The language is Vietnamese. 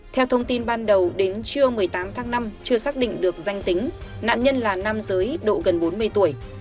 theo thông tin ban đầu đến trưa một mươi tám tháng năm chưa xác định được danh tính nạn nhân là nam giới độ gần bốn mươi tuổi